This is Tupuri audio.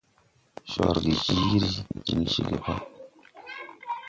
Corge jiiri diŋ ceege pa.